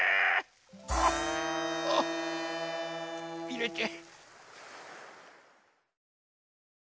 ああいれて。